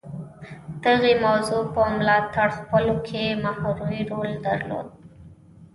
دغې موضوع په ملاتړ خپلولو کې محوري رول درلود